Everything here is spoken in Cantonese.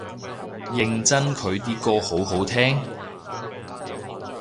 認真佢啲歌好好聽？